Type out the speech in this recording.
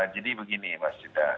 jadi begini mas cinta